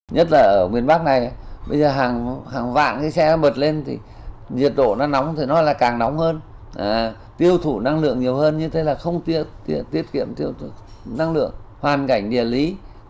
nhiệt độ nó nóng thì nó là càng nóng hơn tiêu thụ năng lượng nhiều hơn như thế là không tiết kiệm năng lượng hoàn cảnh địa lý